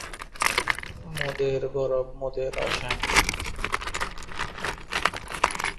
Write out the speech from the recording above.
আরেকটি বিভাগ হল অপেশাদার পর্নোগ্রাফি, যা অ-বাণিজ্যিক কাজের অর্ন্তভূক্ত।